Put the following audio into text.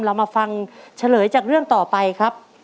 เรามาฟังเฉลยจากเรื่องต่อไปครับ